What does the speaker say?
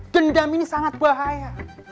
dendam ini sangat bahaya